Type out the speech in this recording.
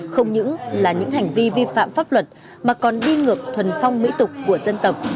không những là những hành vi vi phạm pháp luật mà còn đi ngược thuần phong mỹ tục của dân tộc